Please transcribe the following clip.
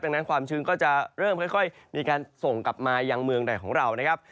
ดังนั้นความชื้นก็จะเริ่มค่อยมีการส่งกลับมายังเมืองใดของเรานะครับ